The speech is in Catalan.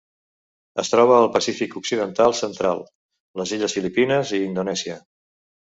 Es troba al Pacífic occidental central: les illes Filipines i Indonèsia.